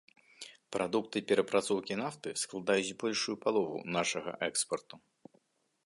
Прадукты перапрацоўкі нафты складаюць большую палову нашага экспарту.